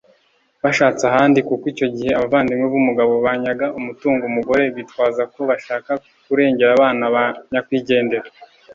bashatse ahandi, kuko icyo gihe abavandimwe b'umugabo banyaga umutungo umugore, bitwaza ko bashaka kurengera abana ba nyakwigendera